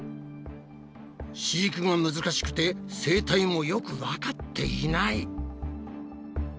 飼育が難しくて生態もよくわかっていない。